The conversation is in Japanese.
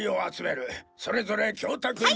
それぞれ教卓に。